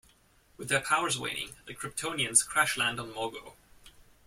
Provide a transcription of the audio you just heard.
With their powers waning, the Kryptonians crash land on Mogo.